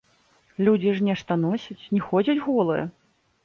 Людзі ж нешта носяць, не ходзяць голыя.